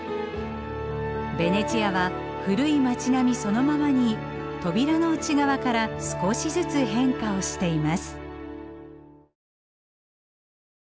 ベネチアは古い町並みそのままに扉の内側から少しずつ変化をしています。